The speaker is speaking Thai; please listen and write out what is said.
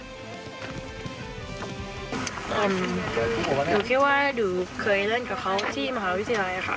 ดูแค่ว่าดูเคยเล่นกับเขาที่มหาวิทยาลัยนะคะ